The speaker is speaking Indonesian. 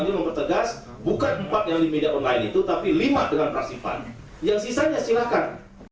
susanto mengatakan bahwa dia tidak punya hak untuk menyampaikan sikat praksi lain